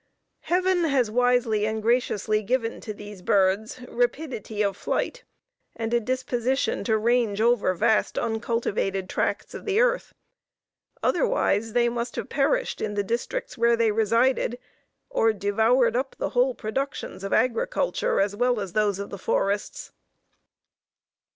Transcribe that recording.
Heaven has wisely and graciously given to these birds rapidity of flight and a disposition to range over vast uncultivated tracts of the earth, otherwise they must have perished in the districts where they resided, or devoured up the whole productions of agriculture, as well as those of the forests.